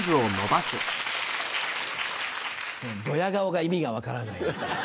どや顔が意味が分からないです。